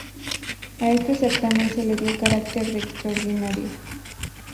A este certamen se le dio carácter de "extraordinario".